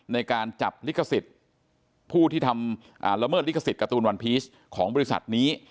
ในการจับลิขสิทธิ์ผู้ที่ทำละเมิดลิขสิทธิ์ตูนวันพีชของบริษัทนี้